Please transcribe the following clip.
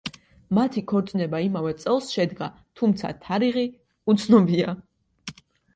მათი ქორწინება იმავე წელს შედგა, თუმცა თარიღი უცნობია.